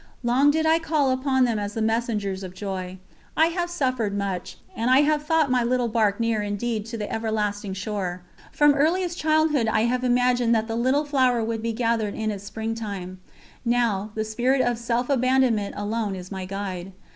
Long did I call upon them as the messengers of joy. I have suffered much, and I have thought my barque near indeed to the Everlasting Shore. From earliest childhood I have imagined that the Little Flower would be gathered in its springtime; now, the spirit of self abandonment alone is my guide.